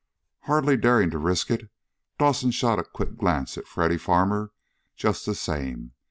"[B] Hardly daring to risk it, Dawson shot a quick glance at Freddy Farmer just the same.